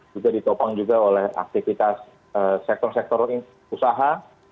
juga ditopang juga oleh aktivitas sektor sektor usaha